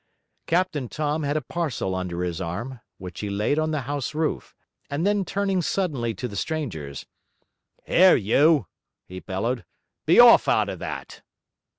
Captain Tom had a parcel under his arm, which he laid on the house roof, and then turning suddenly to the strangers: 'Here, you!' he bellowed, 'be off out of that!'